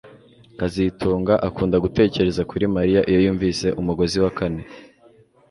kazitunga akunda gutekereza kuri Mariya iyo yumvise umugozi wa kane